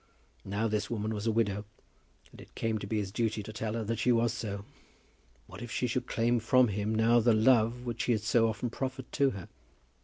Now, this woman was a widow, and it came to be his duty to tell her that she was so. What if she should claim from him now the love which he had so often proffered to her!